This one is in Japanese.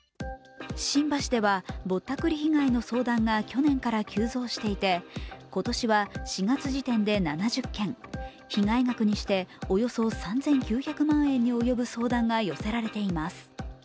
新橋ではぼったくり被害の相談が去年から急増していて今年は４月時点で７０件、被害額にしておよそ３９００万円に及ぶ相談が寄せられています。